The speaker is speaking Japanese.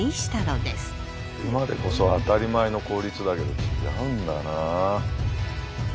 今でこそ当たり前の効率だけど違うんだな。